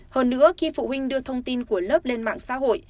hơn nữa khi phụ huynh đưa thông tin của lớp lên mạng xã hội